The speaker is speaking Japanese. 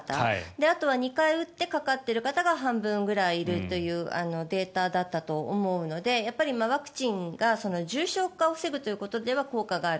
あとは２回打ってかかっている方が半分くらいいるというデータだったと思うのでやっぱりワクチンが重症化を防ぐということでは効果がある。